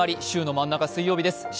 週の真ん中、水曜日です。